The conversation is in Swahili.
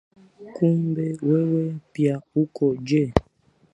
Kumbe wewe pia uko nje